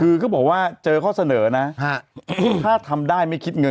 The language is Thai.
คือเขาบอกว่าเจอข้อเสนอนะถ้าทำได้ไม่คิดเงิน